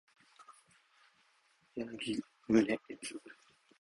柳宗悦、夫人兼子のごとき声楽家もよくきておりました